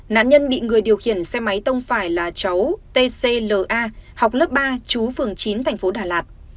nạn nhân bị người điều khiển xe máy tông phải là cháu t c l a học lớp ba chú phường chín thành phố đà lạt